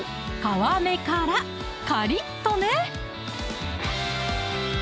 皮目からカリッとね！